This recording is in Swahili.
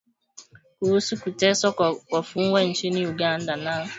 kuhusu kuteswa kwa wafungwa nchini Uganda na